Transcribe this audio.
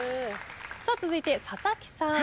続いて佐々木さん。